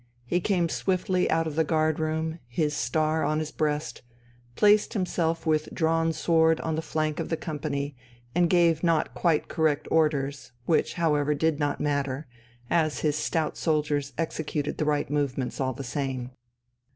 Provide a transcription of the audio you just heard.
He came swiftly out of the Guard room, his star on his breast, placed himself with drawn sword on the flank of the company and gave not quite correct orders, which, however, did not matter, as his stout soldiers executed the right movements all the same.